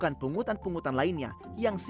yang disertai dugaan pemaksaan dan kemudian juga menuruti